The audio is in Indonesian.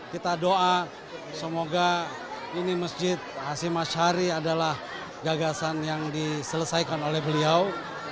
kita doa semoga ini masjid hashim ashari adalah gagasan yang diselesaikan oleh beliau